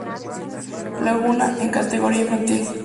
Laguna, en categoría infantil.